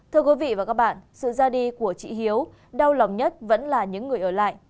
thưa quý vị và các bạn sự ra đi của chị hiếu đau lòng nhất vẫn là những người ở lại